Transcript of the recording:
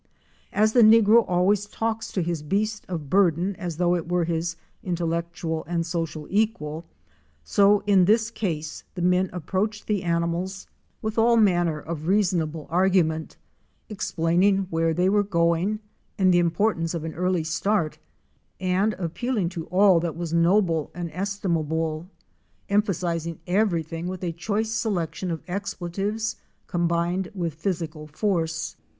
As the negro always talks to his beast of burden as though it were his intellectual and social equal, so in this case the men approached the animals with all manner of OUR SEARCH FOR A WILDERNESS. 140 'auvaaA, INAOP 'OL Ol SS as STEAMER AND LAUNCH TO HOORIE CREEK. 141 reasonable argument, explaining where they were going and the importance of an early start and appealing to all that was noble and estimable, emphasizing everything with a choice selection of expletives combined with physical force.